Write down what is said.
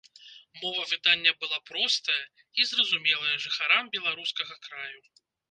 Мова выдання была простая і зразумелая жыхарам беларускага краю.